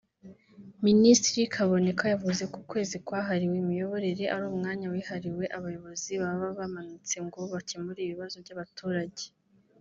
Minisitiri Kaboneka yavuze ko ukwezi kwahariwe Imiyoborere ari umwanya wihariwe abayobozi baba bamanutse ngo bakemure ibibazo by’abaturage